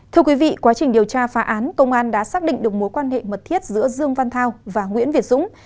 thưa quý vị quá trình điều tra phá án công an đã xác định được mối quan hệ mật thiết giữa dương văn thao và nguyễn việt dũng